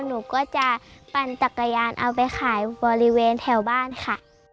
หนูก็จะปั่นจักรยานเอาไปขายบริเวณแถวบ้านค่ะ